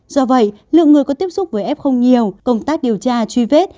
do vậy lượng người có tiếp xúc với f không nhiều công tác điều tra truy vết